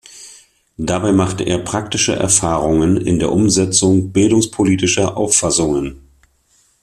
Dabei machte er praktische Erfahrungen in der Umsetzung bildungspolitischer Auffassungen.